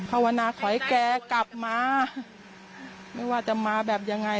ภาวนาขอให้แกกลับมาไม่ว่าจะมาแบบยังไง